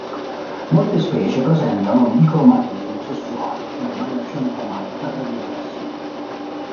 Molte specie presentano dicromatismo sessuale cioè variazione cromatica tra i due sessi.